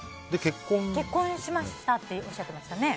結婚しましたっておっしゃってましたね。